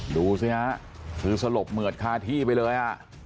ดูสิฮะคือสลบเหมือดคาที่ไปเลย